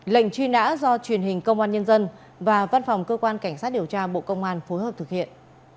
lệnh truy nã do truyền hình công an nhân dân và văn phòng cơ quan cảnh sát điều tra bộ công an phối hợp thực hiện